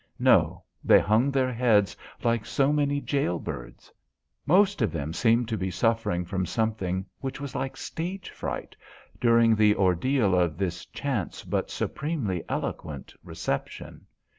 No they hung their heads like so many jail birds. Most of them seemed to be suffering from something which was like stage fright during the ordeal of this chance but supremely eloquent reception.